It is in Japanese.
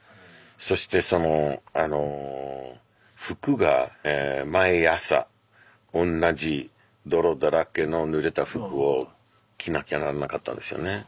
そしてその服が毎朝おんなじ泥だらけのぬれた服を着なきゃなんなかったんですよね。